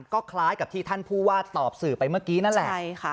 ก็คล้ายกับที่ท่านผู้ว่าตอบสื่อไปเมื่อกี้นั่นแหละใช่ค่ะ